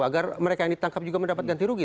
agar mereka yang ditangkap juga mendapat ganti rugi